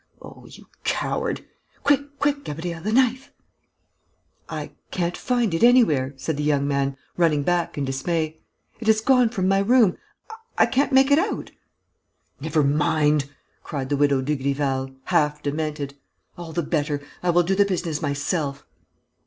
Oh, you coward!... Quick, quick, Gabriel, the knife!..." "I can't find it anywhere," said the young man, running back in dismay. "It has gone from my room! I can't make it out!" "Never mind!" cried the Widow Dugrival, half demented. "All the better! I will do the business myself."